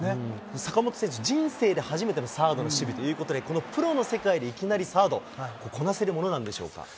坂本選手、人生で初めてのサード守備ということで、プロの世界でいきなりサード、こなせるものなんでしょうか？